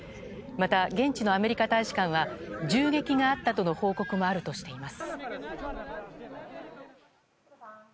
また、現地のアメリカ大使館は銃撃があったとの報告もあるとしています。